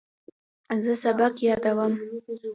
زه سبق یادوم.